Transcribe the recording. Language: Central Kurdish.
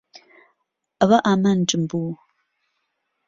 ئەوە ئامانجم بوو.